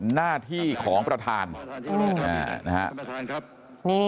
หน้าที่ของประธานนะครับ